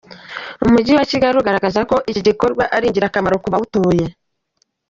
Umujyi wa Kigali ugaragaza ko iki gikorwa ari ingirakamaro ku batuye Umujyi.